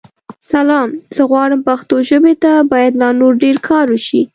سلام؛ زه غواړم پښتو ژابې ته بايد لا نور ډير کار وشې.